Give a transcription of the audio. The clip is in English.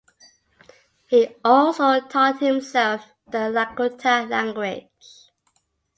He also taught himself the Lakota language.